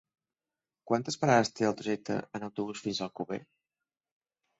Quantes parades té el trajecte en autobús fins a Alcover?